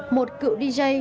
một cựu dj